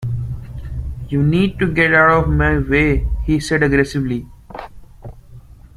You need to get out of my way! he said aggressively